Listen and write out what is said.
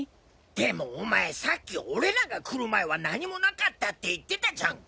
でもお前さっき俺らが来る前は何もなかったって言ってたじゃんか！